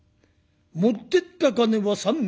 持ってった金は３００両。